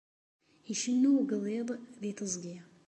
Icennu ugḍiḍ di teẓgi